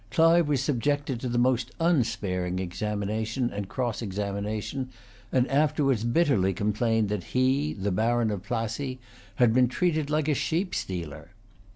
Clive was subjected to the most unsparing examination and cross examination, and afterwards bitterly complained that he, the Baron of Plassey, had been treated like a sheep stealer.